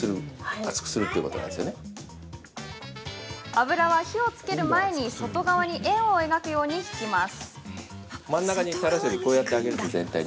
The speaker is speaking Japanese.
油は火をつける前に外側に円を描くように引きます。